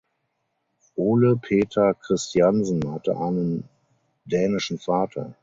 Ole Peter Christiansen hatte einen dänischen Vater.